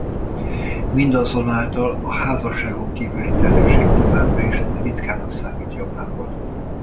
Mindazonáltal a házasságon kívüli terhesség továbbra is ritkának számít Japánban.